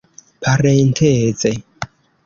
parenteze